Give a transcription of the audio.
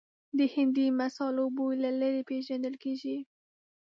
د هندي مسالو بوی له لرې پېژندل کېږي.